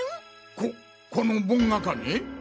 ここの盆がかね？